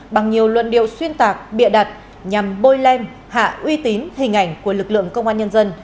bằng nhiều luận điệu xuyên tạc bịa đặt nhằm bôi lem hạ uy tín hình ảnh của lực lượng công an nhân dân